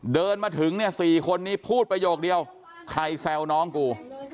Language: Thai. เดินมาถึงเนี่ย๔คนนี้พูดประโยคเดียวใครแซวน้องกู